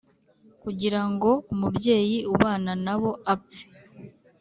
Kugira ngo umubyeyi ubana nabo apfe